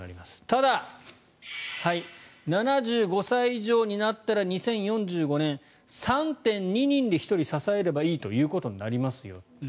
ただ、７５歳以上になったら２０４５年３．２人で１人支えればいいということになりますよ。